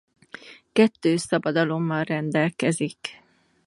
Kettő szabadalommal rendelkezik.